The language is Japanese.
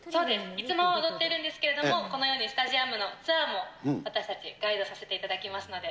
いつも踊ってるんですけれども、このようにスタジアムのツアーも私たちガイドさせていただきますので。